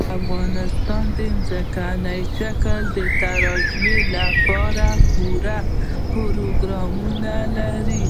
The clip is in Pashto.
افغانستان د ځمکني شکل د ترویج لپاره پوره پروګرامونه لري.